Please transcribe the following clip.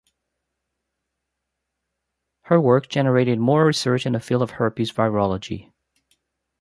Her work generated more research in the field of herpes virology.